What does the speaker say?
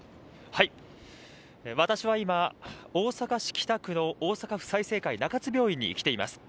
私は今、大阪市北区の大阪府済生会中津病院に来ています。